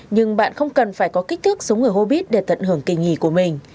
nhưng bạn không cần phải có kích thước sống ở hobbit để tận hưởng kỳ nghỉ của mình